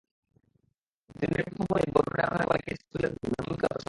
দিনের প্রথম বলেই বরুন অ্যারনের বলে ক্যাচ তুলে দেন ধাম্মিকা প্রসাদ।